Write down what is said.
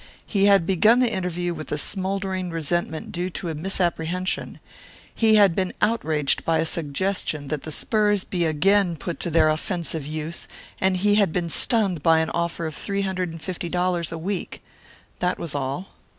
He had begun the interview with a smouldering resentment due to a misapprehension; he had been outraged by a suggestion that the spurs be again put to their offensive use; and he had been stunned by an offer of three hundred and fifty dollars a week. That was all.